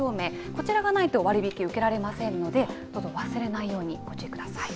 こちらがないと、割引受けられませんので、どうぞ忘れないようにご注意ください。